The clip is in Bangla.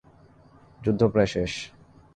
যুদ্ধ প্রায় শেষ।